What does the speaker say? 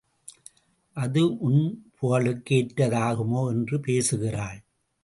அது உன் புகழுக்கு ஏற்றதாகுமோ? என்று பேசுகிறாள்.